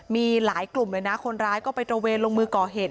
มีหลายกลุ่มเลยนะคนร้ายก็ไปตระเวนลงมือก่อเหตุ